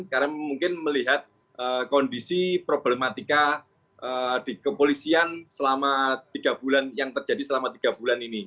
karena mungkin melihat kondisi problematika di kepolisian yang terjadi selama tiga bulan ini